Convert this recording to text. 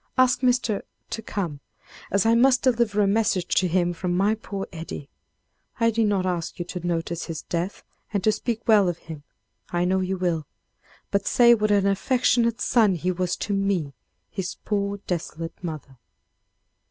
Ask Mr. —— to come, as I must deliver a message to him from my poor Eddie.... I need not ask you to notice his death and to speak well of him. I know you will. But say what an affectionate son he was to me, his poor desolate mother..."